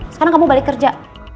sekarang kamu balik kerja